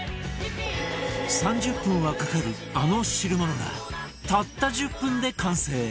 ３０分はかかるあの汁物がたった１０分で完成